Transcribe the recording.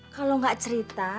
kalau enggak cerita